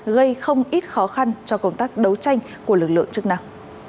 gây không ít khó khăn cho công tác đấu tranh của lực lượng chức năng